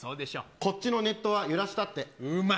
こっちのネットは揺らしたっうまい。